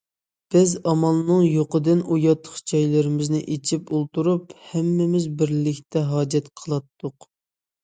بىز ئامالنىڭ يوقىدىن ئۇياتلىق جايلىرىمىزنى ئېچىپ ئولتۇرۇپ، ھەممىمىز بىرلىكتە ھاجەت قىلاتتۇق.